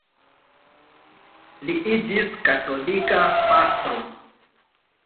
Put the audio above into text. Li iĝis katolika pastro.